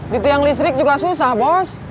di tiang listrik juga susah bos